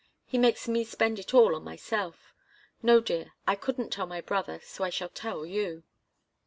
He makes me spend it all on myself. No, dear I couldn't tell my brother so I shall tell you."